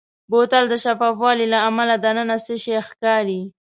بوتل د شفاف والي له امله دننه څه شی ښکاري.